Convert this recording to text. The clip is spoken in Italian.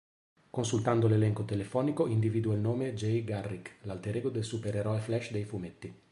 Consultando l'elenco telefonico individua il nome "Jay Garrick", l'alterego del supereroe Flash dei fumetti.